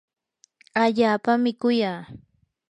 allaapami kuyaa.